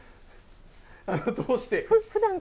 どうして？